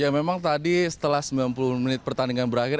ya memang tadi setelah sembilan puluh menit pertandingan berakhir